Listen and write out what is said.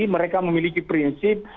mereka memiliki prinsip